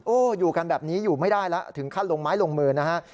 โอ้โหอยู่กันแบบนี้อยู่ไม่ได้แล้วถึงขั้นลงไม้ลงมือนะฮะ